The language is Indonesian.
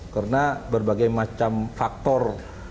karena berbagai macam faktor